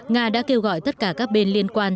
nga đã kêu gọi tất cả các bên liên quan